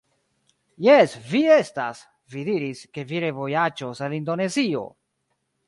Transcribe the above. Jes vi estas! Vi diris, ke vi revojaĝos al Indonezio!